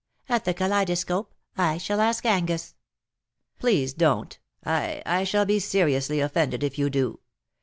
At the Kaleidoscope ! I shall ask Angus." " Please don't. I — I shall be seriously offended if you do.